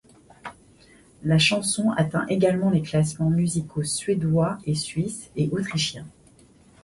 La chanson atteint également les classements musicaux suédois et suisse, et autrichiens.